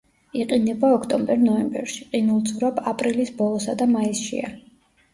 იყინება ოქტომბერ-ნოემბერში, ყინულძვრა აპრილის ბოლოსა და მაისშია.